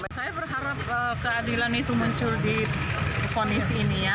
saya berharap keadilan itu muncul di ponis ini ya